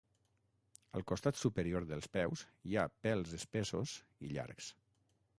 Al costat superior dels peus hi ha pèls espessos i llargs.